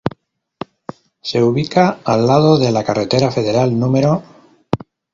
Se ubica al lado de la Carretera Federal No.